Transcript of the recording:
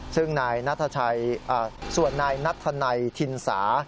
ซึ่งนายส่วนนายนัทธนัยทินสา